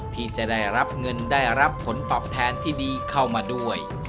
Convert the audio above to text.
ที่จะได้รับเงินได้รับผลตอบแทนที่ดีเข้ามาด้วย